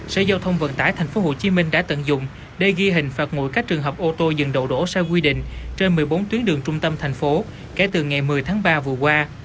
sở giao thông vận tải tp hcm đã tận dụng để ghi hình phạt nguội các trường hợp ô tô dừng đổ đổ sai quy định trên một mươi bốn tuyến đường trung tâm thành phố kể từ ngày một mươi tháng ba vừa qua